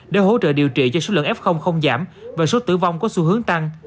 để hỗ trợ điều trị cho số lượng f không giảm và số tử vong có xu hướng tăng